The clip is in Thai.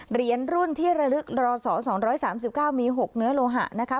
เหรียญรุ่นที่ระลึกรอสอสองร้อยสามสิบเก้ามีหกเนื้อโลหะนะคะ